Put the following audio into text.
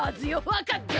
わかった？